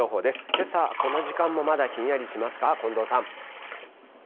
けさ、この時間もまだひんやりしますか、近藤さん。